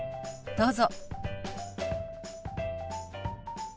どうぞ。